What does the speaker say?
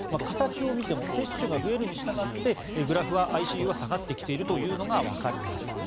形を見ても接種が増えるにしたがってグラフはＩＣＵは下がってきているというのがわかります。